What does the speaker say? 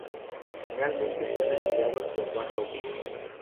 Finalmente fue retirado por baja audiencia.